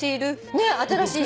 ねっ新しい。